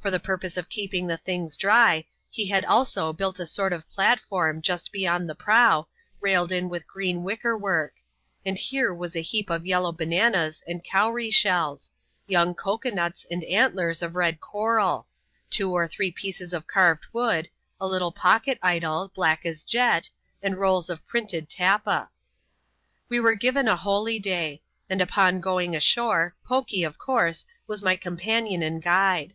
For the purpose of keeping the things dry, he had also built a sort of platform just behind the prow, railed in with green wicker work ; and here was a heap of yellow bananas and cowree shells ; young cocoa nuts and antlers of red coral ; two or three pieces of carved wood ; a little pocket idol, black as jet, and rolls of printed tappa. We were given a holyday ; and upon going ashore. Poky, of comrse, was my companion and guide.